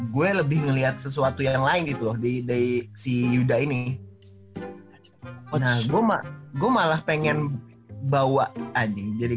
gue lebih ngelihat sesuatu yang lain gitu loh dari si yuda ini nah gua malah pengen bawa anjing jadi